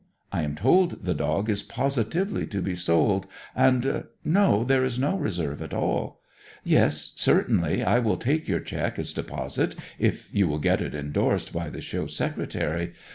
I am told the dog is positively to be sold, and No, there is no reserve at all. Yes, certainly, I will take your cheque as deposit, if you will get it endorsed by the Show Secretary.